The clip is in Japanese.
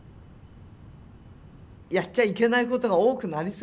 やっちゃいけないことが多くなりすぎるのよ。